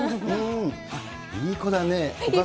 いい子だね。